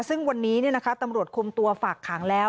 ซึ่งวันนี้ตำรวจคุมตัวฝากขังแล้ว